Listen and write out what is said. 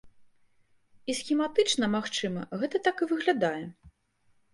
І схематычна, магчыма, гэта так і выглядае.